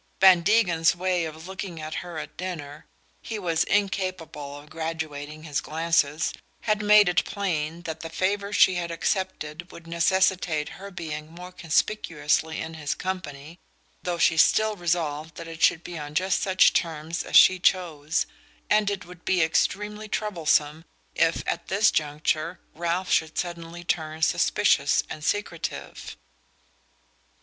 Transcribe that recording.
Van Degen's way of looking at her at dinner he was incapable of graduating his glances had made it plain that the favour she had accepted would necessitate her being more conspicuously in his company (though she was still resolved that it should be on just such terms as she chose); and it would be extremely troublesome if, at this juncture, Ralph should suddenly turn suspicious and secretive.